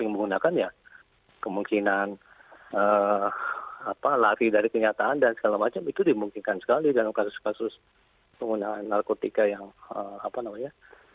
yang menggunakan ya kemungkinan lari dari kenyataan dan segala macam itu dimungkinkan sekali dalam kasus kasus penggunaan narkotika yang apa namanya